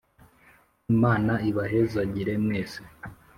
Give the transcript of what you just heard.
Imana ibahezagire mwese